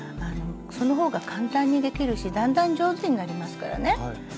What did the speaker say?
その方が簡単にできるしだんだん上手になりますからね。